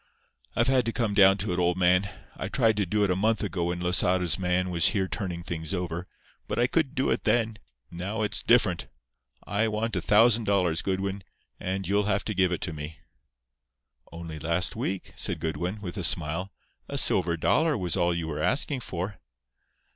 I've had to come down to it, old man—I tried to do it a month ago when Losada's man was here turning things over; but I couldn't do it then. Now it's different. I want a thousand dollars, Goodwin; and you'll have to give it to me." "Only last week," said Goodwin, with a smile, "a silver dollar was all you were asking for."